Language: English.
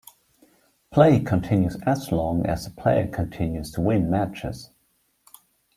Play continues as long as the player continues to win matches.